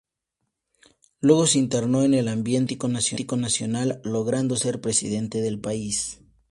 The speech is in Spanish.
Luego se internó en el ambiente político nacional, logrando ser Presidente del país.